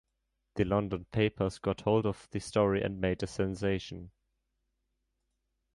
The London papers got hold of the story and made it a sensation.